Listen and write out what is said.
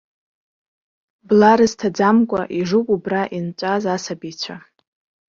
Бла рызҭаӡамкәа ижуп убра инҵәаз асабицәа.